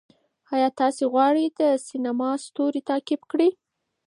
آیا تاسې غواړئ د سینما ستوری تعقیب کړئ؟